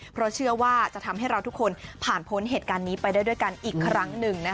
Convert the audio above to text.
เพราะเชื่อว่าจะทำให้เราทุกคนผ่านพ้นเหตุการณ์นี้ไปได้ด้วยกันอีกครั้งหนึ่ง